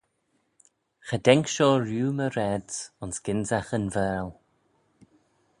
Cha daink shoh rieau my raad's ayns gynsagh yn Vaarle.